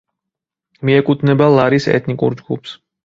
მიეკუთვნება ლარის ეთნიკურ ჯგუფს.